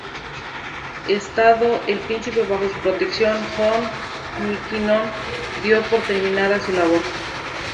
Estando el príncipe bajo su protección, John McKinnon dio por terminada su labor.